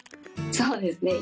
そうですね。